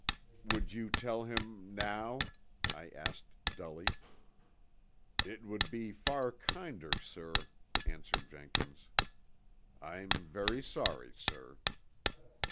"Would you tell him now?" I asked dully. "It would be far kinder, sir," answered Jenkins. "I'm very sorry, sir."